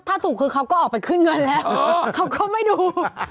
ถ้าถูกคือเขาก็ออกไปขึ้นเงินแล้วเขาก็ไม่ดู